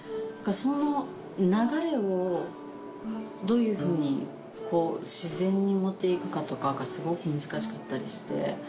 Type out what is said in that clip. その流れをどういうふうに自然に持って行くかとかがすごく難しかったりして。